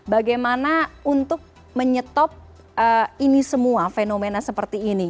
bagaimana untuk menyetop ini semua fenomena seperti ini